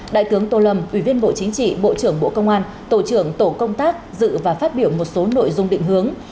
đại tướng tô lâm ủy viên bộ chính trị bộ trưởng bộ công an tổ trưởng tổ công tác dự và phát biểu một số nội dung định hướng